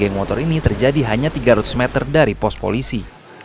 geng motor ini terjadi hanya tiga ratus meter dari pos polisi